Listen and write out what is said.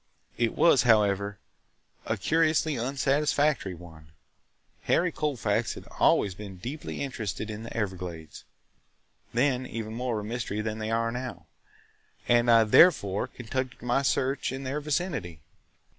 It was, however, a curiously unsatisfactory one. Harry Colfax had always been deeply interested in the Everglades (then even more of a mystery than they are now), and I therefore conducted my search in their vicinity.